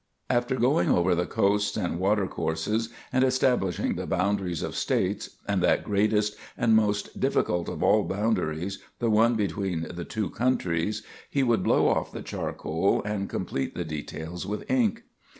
After going over the coasts and watercourses and establishing the boundaries of States, and that greatest and most difficult of all boundaries, the one between "the two countries," he would blow off the charcoal and complete the details with ink.